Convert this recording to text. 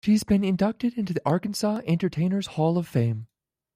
She has been inducted into the Arkansas Entertainers Hall of Fame.